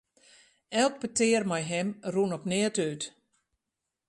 Elk petear mei him rûn op neat út.